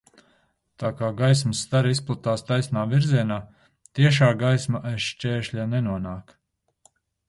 Tā kā gaismas stari izplatās taisnā virzienā, tiešā gaisma aiz šķēršļa nenonāk.